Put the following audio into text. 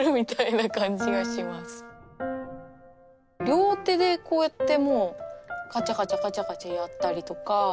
両手でこうやってもうカチャカチャカチャカチャやったりとか。